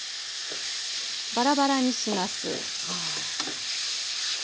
バラバラにします。